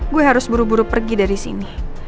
gue harus buru buru pergi dari sini